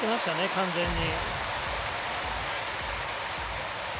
完全に。